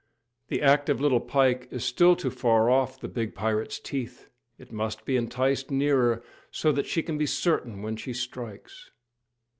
The active little pike is still too far off the big pirate's teeth; it must be enticed nearer, so that she can be certain when she strikes.